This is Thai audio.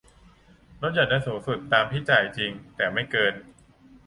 ลดหย่อนได้สูงสุดตามที่จ่ายจริงแต่ไม่เกิน